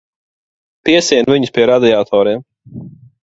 Piesien viņus pie radiatoriem.